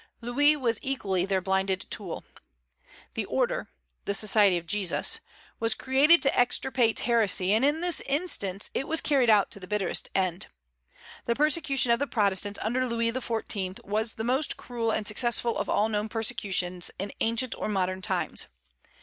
Louis was equally their blinded tool. The Order the "Society of Jesus" was created to extirpate heresy, and in this instance it was carried out to the bitter end. The persecution of the Protestants under Louis XIV. was the most cruel and successful of all known persecutions in ancient or modern times.